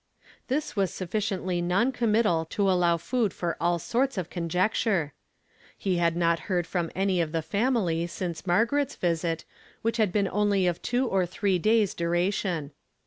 This was sufliciently non committal to allow food for all sorts of conjecture. He had not heard from any of the family since Margaret's visit, which had been only of two or three days' dura tion.